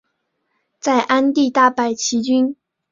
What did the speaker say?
在鞍地大败齐军。